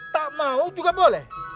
tak mau juga boleh